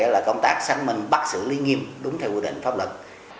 là công tác xác minh bắt xử lý nghiêm đúng theo quy định pháp lực